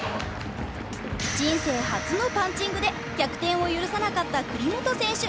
人生初のパンチングで逆転を許さなかった栗本選手。